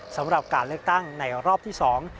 สำหรับการเลือกตั้งในรอบที่สอง